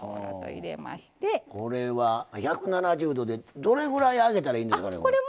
１７０度でどれぐらい揚げたらいいんですか？